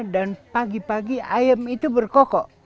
dan pagi pagi ayam itu berkokok